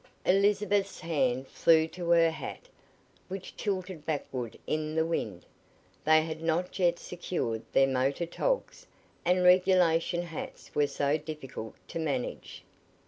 Elizabeth's hand flew to her hat, which tilted backward in the wind. They had not yet secured their motor "togs," and regulation hats were so difficult to manage.